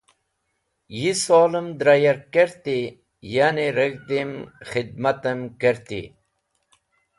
Yi solem dra yark kerti, ya’ni reg̃hdi’m, khidmatem kerti.